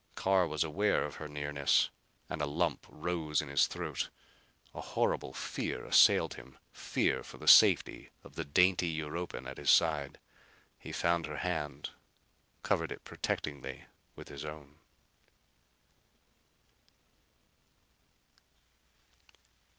Carr was aware of her nearness and a lump rose in his throat. A horrible fear assailed him. Fear for the safety of the dainty Europan at his side. He found her hand; covered it protectingly with his own.